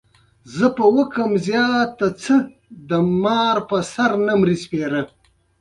د سولې کلتور باید خپور شي.